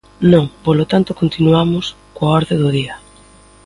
Non, polo tanto, continuamos coa orde do día.